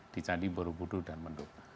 di candi buru budur dan menduk